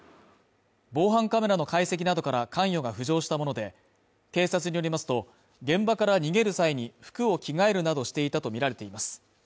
防犯カメラの解析などから関与が浮上したもので、警察によりますと、現場から逃げる際に服を着替えるなどしていたとみられています。